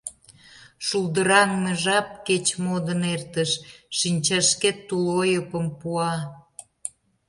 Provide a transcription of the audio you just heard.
Шулдыраҥме жап кеч модын эртыш, Шинчашкет тул ойыпым пуа.